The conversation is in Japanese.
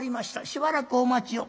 しばらくお待ちを」。